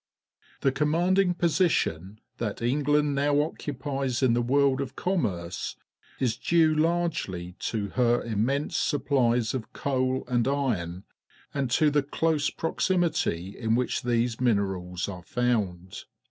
The commanding position that England now occupies in the world of commerce is due largeh' to her immense suppUes of coal and iron and to the close proximity in which these minerals are found.